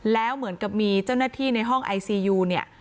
แล้วเหมือนกับมีเจ้าหน้าที่ในห้องไอซียูเนี่ย